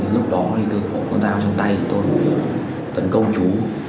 lúc đó tôi có con dao trong tay tôi tấn công chú